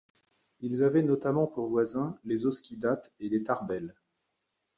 Ils avaient notamment pour voisins les Osquidates et les Tarbelles.